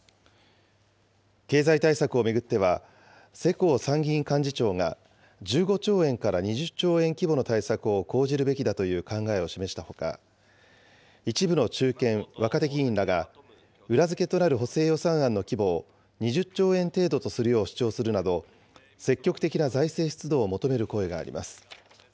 経済対策を巡っては、世耕参議院幹事長が１５兆円から２０兆円規模の対策を講じるべきだという考えを示したほか、一部の中堅・若手議員らが、裏付けとなる補正予算案の規模を２０兆円程度とするよう主張するなど、積極的な財政出動を求める声があります。